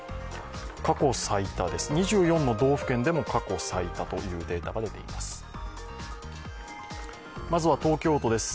過去最多です、２４の道府県でも過去最多というデータが出ています。